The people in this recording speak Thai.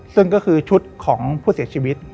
ซึ่งก็คือชุดของผู้เสียชีวิต